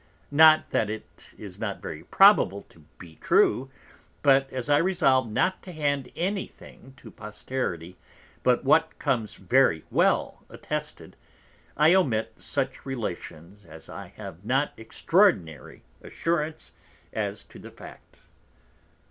Not that it is not very probable to be true; but as I resolve not to hand any thing to Posterity, but what comes very well attested, I omit such Relations as I have not extraordinary Assurance as to the Fact.